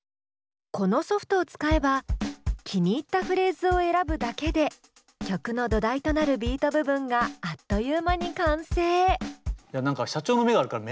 このソフトを使えば気に入ったフレーズを選ぶだけで曲の土台となるビート部分があっという間に完成。